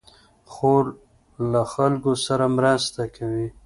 خور له خلکو سره مرسته کوي.